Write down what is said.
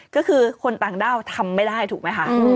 ก็คือคนต่างด้าวทำไม่ได้ถูกไหมคะ